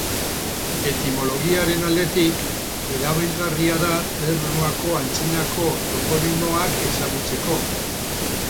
Etimologiaren aldetik, erabilgarria da Ternuako antzinako toponimoak ezagutzeko.